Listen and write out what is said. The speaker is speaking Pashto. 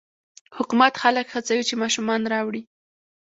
حکومت خلک هڅوي چې ماشومان راوړي.